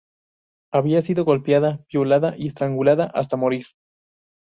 Había sido golpeada, violada y estrangulada hasta morir.